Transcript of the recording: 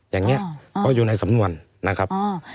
อย่างนี้เขาอยู่ในสำนวนนะครับ